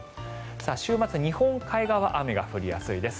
週末、日本海側雨が降りやすいです。